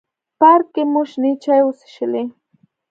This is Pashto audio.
پارک کې مو شنې چای وڅښلې.